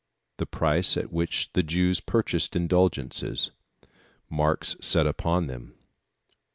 The Price at which the Jews purchased Indulgences. Marks set upon them.